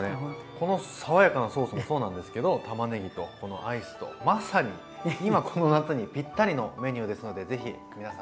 この爽やかなソースもそうなんですけどたまねぎとこのアイスとまさに今この夏にぴったりのメニューですので是非皆さんつくってみて下さい。